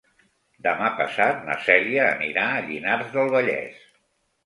Demà passat na Cèlia anirà a Llinars del Vallès.